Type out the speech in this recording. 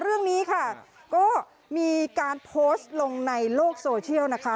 เรื่องนี้ค่ะก็มีการโพสต์ลงในโลกโซเชียลนะคะ